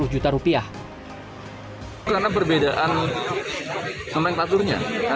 karena perbedaan sama yang ternyata